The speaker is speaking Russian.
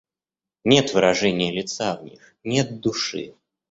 Нет выражения лица в них, нет души.